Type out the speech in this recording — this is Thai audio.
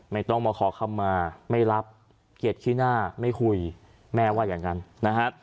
ไม่ต้องมาขอคำมาไม่รับเกียรติขี้หน้าไม่คุยแม่ว่าอย่างนั้นนะฮะ